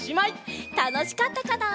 たのしかったかな？